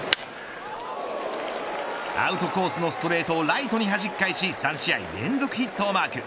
アウトコースのストレートをライトにはじき返し３試合連続ヒットをマーク。